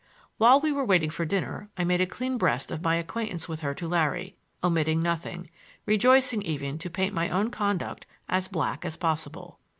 While we were waiting for dinner I made a clean breast of my acquaintance with her to Larry, omitting nothing,—rejoicing even to paint my own conduct as black as possible.